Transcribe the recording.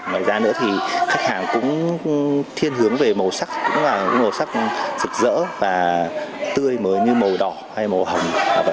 ngoài ra nữa khách hàng cũng thiên hướng về màu sắc màu sắc rực rỡ và tươi mới như màu đỏ hay màu hồng